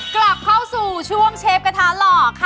กล่อเข้าสู่ช่วงเชฟกระทะหลอก